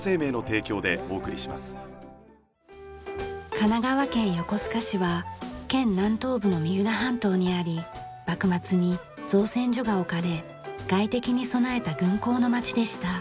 神奈川県横須賀市は県南東部の三浦半島にあり幕末に造船所が置かれ外敵に備えた軍港の街でした。